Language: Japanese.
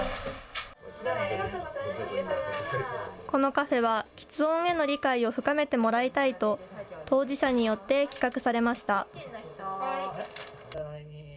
このカフェは、きつ音への理解を深めてもらいたいと当事者によって企画されました。